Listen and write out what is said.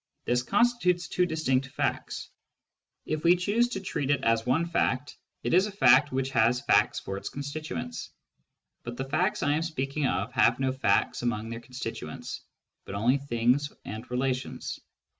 This constitutes two distinct facts : if we choose to treat it as one fact, it is a fact which has facts for its constituents. But the facts I am speaking of have no facts among their constituents, but only things and relations.